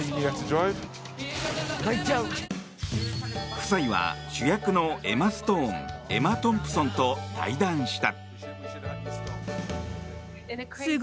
夫妻は主役のエマ・ストーンエマ・トンプソンと対談した。